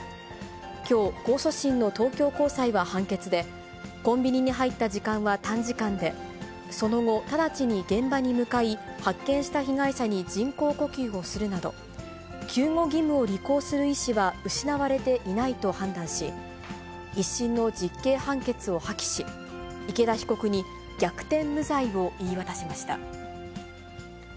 きょう、控訴審の東京高裁は判決で、コンビニに入った時間は短時間で、その後、直ちに現場に向かい、発見した被害者に人工呼吸をするなど、救護義務を履行する意思は失われていないと判断し、１審の実刑判決を破棄し、池田被告に逆転無罪を言い渡しました。